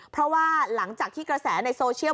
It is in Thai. เพราะว่าหลังจากที่กระแสในโซเชียล